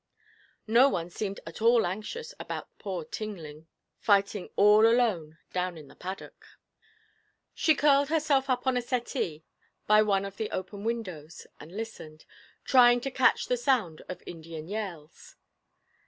No one seemed at all anxious about poor Tinling, fighting all alone down in the paddock. She curled herself up on a settee by one of the open windows, and listened, trying to catch the sound of Indian yells.